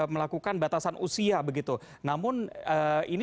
melakukan batasan usia begitu namun ini